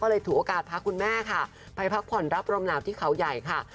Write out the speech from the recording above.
เลยถือโอกาสพาคุณแม่ค่ะไปพักผ่อนรับลมหนาวที่เขาใหญ่ค่ะ